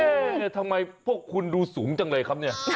ทำไมพวกคุณดูสูงจังเลยครับเนี่ย